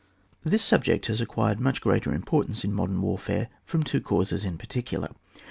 This subject has acquired much greater importance in modem warfare from two causes in particular.